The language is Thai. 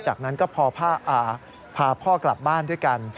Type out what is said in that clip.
จากนั้นก็พาพ่อกลับบ้านด้วยกัน